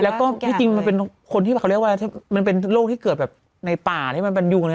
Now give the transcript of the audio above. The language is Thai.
แล้วก็ที่จริงมันเป็นคนที่แบบเขาเรียกว่ามันเป็นโรคที่เกิดแบบในป่าที่มันบรรยุง